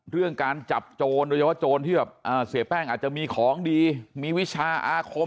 เรื่องการจับโจรโดยเฉพาะโจรที่แบบเสียแป้งอาจจะมีของดีมีวิชาอาคม